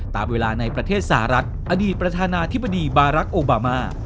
ตามเวลาในประเทศสหรัฐอดีตประธานาธิบดีบารักษ์โอบามา